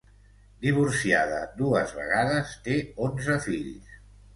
Divorciada dues vegades, té onze fills.